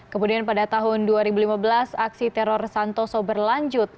kemudian pada tahun dua ribu lima belas aksi teror santoso berlanjut